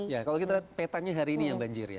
ya kalau kita lihat petanya hari ini yang banjir ya